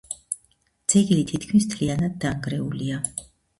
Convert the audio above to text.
ძეგლი თითქმის მთლიანად დანგრეულია.